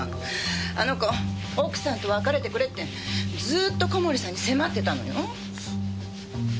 あの子奥さんと別れてくれってずーっと小森さんに迫ってたのよ。